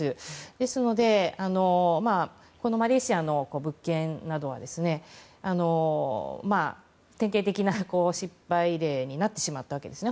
ですのでマレーシアの物件などは典型的な失敗例になってしまったわけですね。